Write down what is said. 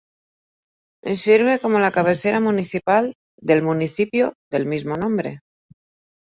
Sirve como la cabecera municipal del municipio del mismo nombre.